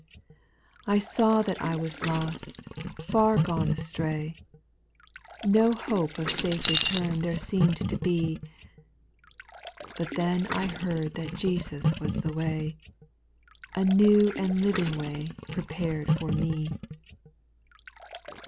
5. I saw that I was lost, far gone astray, No hope of safe return there seem'd to be ; But then I heard that Jesus was the way, A new and living way prepared for me.